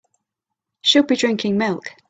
Should be drinking milk.